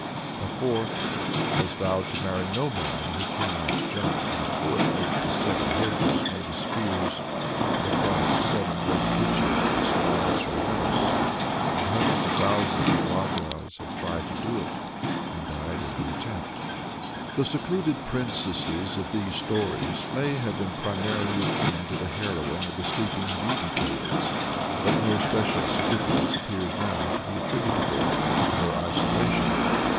A fourth "has vowed to marry no man who cannot jump on foot over the seven hedges made of spears, and across the seven great ditches that surround her house;" and "hundreds of thousands of Rajahs have tried to do it, and died in the attempt." The secluded princess of these stories may have been primarily akin to the heroine of the "Sleeping Beauty" tales, but no special significance appears now to be attributable to her isolation.